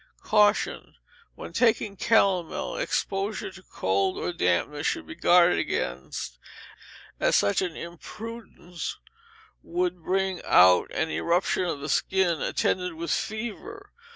Caution. When taking calomel, exposure to cold or dampness should be guarded against, as such an imprudence would bring out an eruption of the skin, attended with fever.